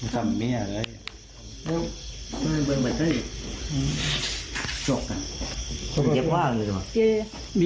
ครับ